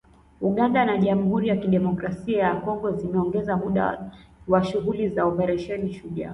Uganda na jamhuri ya kidemokrasia ya Kongo zimeongeza muda wa shughuli za Oparesheni Shujaa